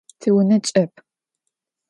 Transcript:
Tiune ç'ep.